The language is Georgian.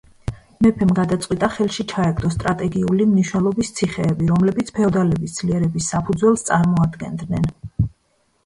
მეფემ გადაწყვიტა, ხელში ჩაეგდო სტრატეგიული მნიშვნელობის ციხეები, რომლებიც ფეოდალების ძლიერების საფუძველს წარმოადგენდნენ.